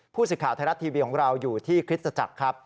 ผู้สื่อข่าวไทยรัฐทีวีของเราอยู่ที่คริสตจักรครับ